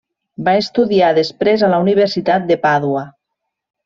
Va estudiar després a la Universitat de Pàdua.